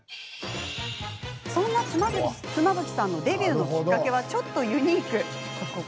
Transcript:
そんな妻夫木さんのデビューのきっかけはちょっとユニーク。